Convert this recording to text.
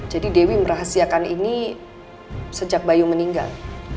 jadi dewi merahasiakan ini sejak bayu meninggal